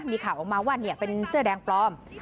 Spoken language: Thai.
มีข่าวออกมาว่าเป็นเสื้อแดงปลอม